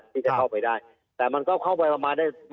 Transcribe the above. ที่จะเข้าไปได้แต่มันก็เข้าไปประมาณได้